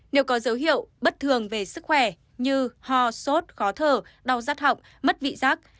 nếu có dấu hiệu bất thường về sức khỏe như ho sốt khó thở đau rắt họng mất vị giác